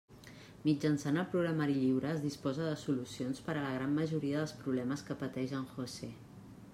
Mitjançant el Programari Lliure es disposa de solucions per a la gran majoria dels problemes que pateix en José.